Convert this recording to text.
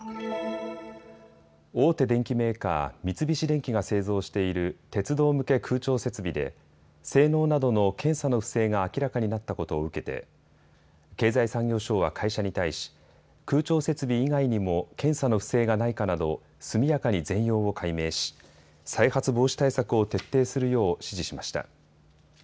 大手電機メーカー、三菱電機が製造している鉄道向け空調設備で性能などの検査の不正が明らかになったことを受けて経済産業省は会社に対し、空調設備以外にも検査の不正がないかなど速やかに全容を解明し、再発防止対策を徹底するよう指示しました。